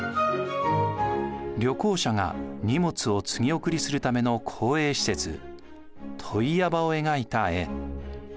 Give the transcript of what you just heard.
旅行者が荷物を継ぎ送りするための公営施設問屋場を描いた絵。